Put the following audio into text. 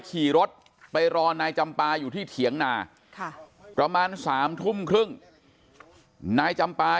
ขี่รถไปรอนายจำปาอยู่ที่เถียงนาประมาณ๓ทุ่มครึ่งนายจำปา